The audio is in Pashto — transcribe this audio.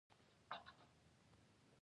لکه د لمانځه فرضيت د زنا حراموالی او نور.